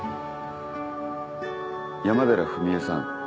山寺史絵さん